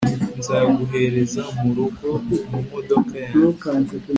nzaguhereza murugo mumodoka yanjye